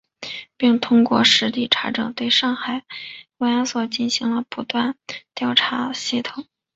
并通过实地查证，对上海的慰安所进行了不断地调查统计